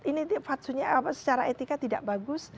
ini fatsunya secara etika tidak bagus